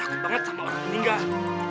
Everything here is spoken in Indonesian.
takut banget sama orang meninggal